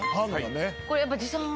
これやっぱ持参？